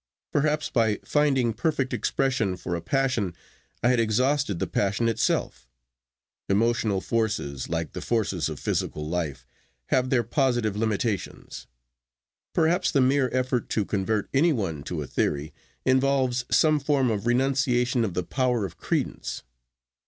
Perhaps, by finding perfect expression for a passion, I had exhausted the passion itself. Emotional forces, like the forces of physical life, have their positive limitations. Perhaps the mere effort to convert any one to a theory involves some form of renunciation of the power of credence.